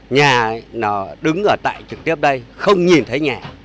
nhà nó đứng ở tại trực tiếp đây không nhìn thấy nhà